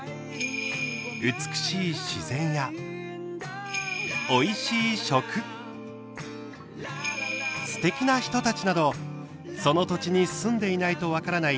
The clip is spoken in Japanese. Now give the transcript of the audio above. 美しい自然やおいしい食すてきな人たちなどその土地に住んでいないと分からない